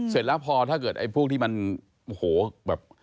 เสร็จแล้วพอถ้าเกิดไอ้พวกที่มันโอ้โหแบบ